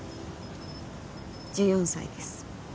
１４歳です